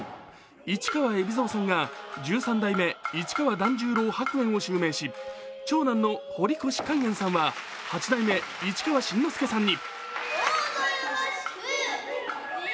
市川海老蔵さんが十三代目市川團十郎白猿を襲名し長男の堀越勸玄さんは八代目市川新之助さんに。